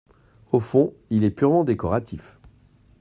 Au fond, il est purement décoratif.